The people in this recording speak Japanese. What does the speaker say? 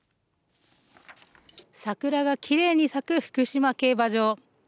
桜がきれいに咲く福島競馬場。